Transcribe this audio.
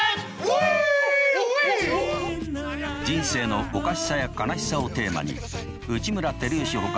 人生のおかしさや悲しさをテーマに内村光良ほか